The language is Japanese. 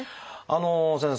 先生。